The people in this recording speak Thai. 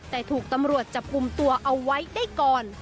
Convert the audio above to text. แต่ถูกตำรวจจับกลุ่มตัวเอาไว้ได้ก่อน